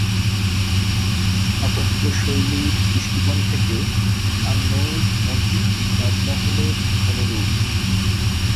স্থাপত্যশৈলীর দৃষ্টিকোণ থেকে, আন-নূর মসজিদটি তাজমহলের অনুরূপ।